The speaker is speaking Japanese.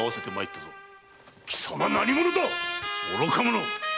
貴様何者だ⁉愚か者！